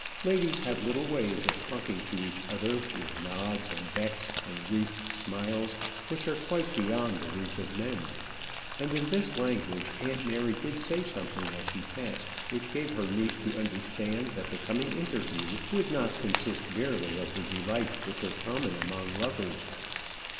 Ladies have little ways of talking to each other, with nods and becks and wreathed smiles, which are quite beyond the reach of men; and in this language aunt Mary did say something as she passed which gave her niece to understand that the coming interview would not consist merely of the delights which are common among lovers.